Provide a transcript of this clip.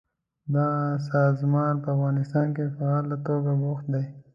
دغه سازمان په افغانستان کې فعاله توګه بوخت دی.